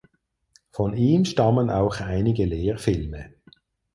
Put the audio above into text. Von ihm stammen auch einige Lehrfilme.